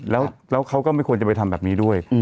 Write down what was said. แล้วเขาก็ไม่ควรจะไปทำแบบนี้ด้วย